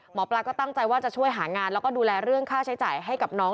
หมอปลาก็ตั้งใจว่าจะช่วยหางานแล้วก็ดูแลเรื่องค่าใช้จ่ายให้กับน้อง